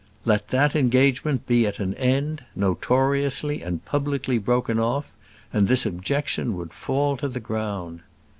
Let that engagement be at an end, notoriously and publicly broken off, and this objection would fall to the ground.